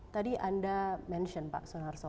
tadi anda mention pak sunarso